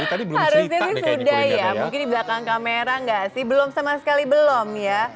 mungkin di belakang kamera enggak sih belum sama sekali belum ya